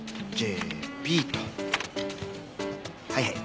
はいはい。